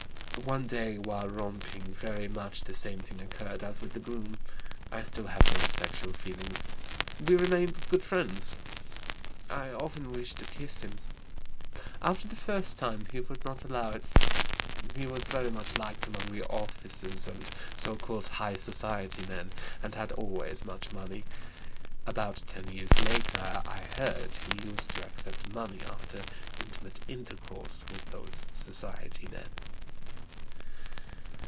One day, while romping, very much the same thing occurred as with the groom. I still had no sexual feelings. We remained good friends. I often wished to kiss him. After the first time he would not allow it. He was very much liked among the officers and so called high society men, and had always much money. About ten years later I heard he used to accept money after intimate intercourse with those society men.